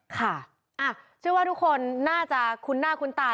ค่ะเชื่อว่าทุกคนน่าจะคุ้นหน้าคุ้นตา